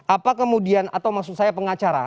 apa kemudian atau maksud saya pengacara